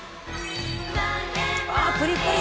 ああプリプリ。